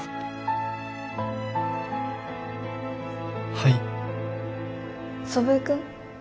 はい祖父江君？